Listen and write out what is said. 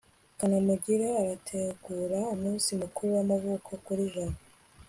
kanamugire arategura umunsi mukuru w'amavuko kuri jabo